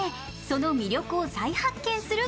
その魅力を再発見する